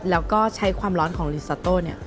แล้วก็ใช้ความร้อนของรีซาโต้